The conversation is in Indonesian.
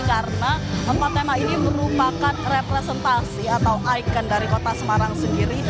karena empat tema ini merupakan representasi atau ikon dari kota semarang sendiri